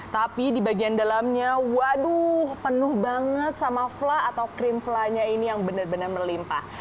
tapi di bagian dalamnya waduh penuh banget sama fla atau krim fla nya ini yang benar benar melimpah